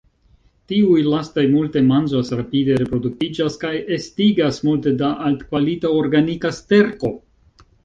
Tiuj lastaj multe manĝas, rapide reproduktiĝas kaj estigas multe da altkvalita organika sterko.